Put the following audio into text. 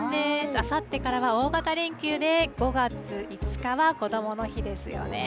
あさってからは大型連休で５月５日はこどもの日ですよね。